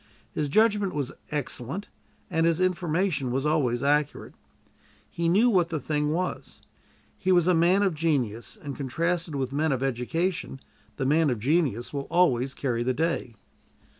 His judgment was excellent, and his information was always accurate. He knew what the thing was. He was a man of genius, and contrasted with men of education the man of genius will always carry the day.